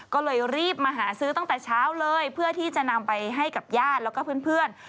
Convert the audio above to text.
ก็เลยรีบมาหาซื้อตั้งแต่เช้าเลยเพื่อที่จะนำไปให้กับญาติแล้วก็เพื่อน